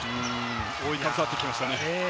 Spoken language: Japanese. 覆いかぶさってきましたね。